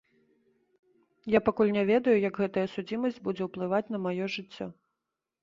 Я пакуль не ведаю, як гэтая судзімасць будзе ўплываць на маё жыццё.